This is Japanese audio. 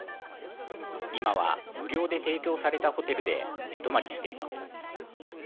今は無料で提供されたホテルで寝泊まりしています。